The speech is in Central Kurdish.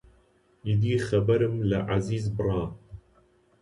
ئیدی خەبەرم لە عەزیز بڕا